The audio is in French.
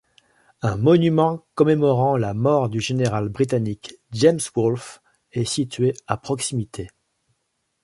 Un monument commémorant la mort du général britannique James Wolfe est situé à proximité.